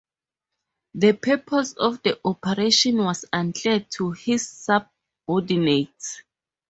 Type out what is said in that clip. The purpose of the operation was unclear to his subordinates.